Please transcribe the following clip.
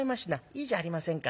いいじゃありませんか。